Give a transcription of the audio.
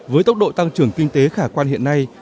với tốc độ tăng trưởng kinh tế khả quan hiện nay